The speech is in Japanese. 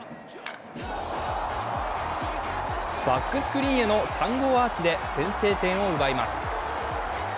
バックスクリーンへの３号アーチで先制点を奪います。